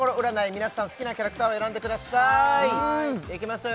皆さん好きなキャラクターを選んでくださいいきますよ